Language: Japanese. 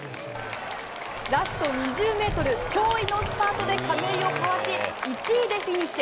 ラスト２０メートル、驚異のスパートで亀井をかわし、１位でフィニッシュ。